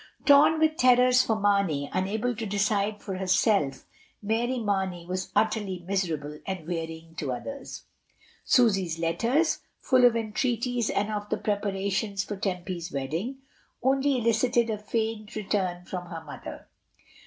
Torn with terrors for Mamey, unable to decide for herself, Mary Marney was utterly miserable and wearying to others. Susy's letters, full of entreaties and of the preparations for Tempy's wedding, only elicited a faint return from her mother.